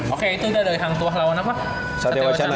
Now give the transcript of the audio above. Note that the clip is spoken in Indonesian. oke itu udah dari hang tuah lawan sati wacana